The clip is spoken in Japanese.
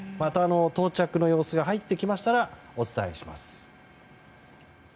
到着の様子が入ってきましたらお伝えします。